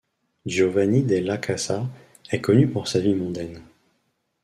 Giovanni Della Casa est connu pour sa vie mondaine.